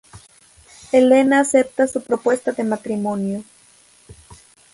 Elena acepta su propuesta de matrimonio.